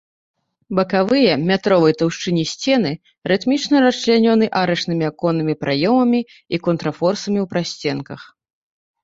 Бакавыя метровай таўшчыні сцены рытмічна расчлянёны арачнымі аконнымі праёмамі і контрфорсамі ў прасценках.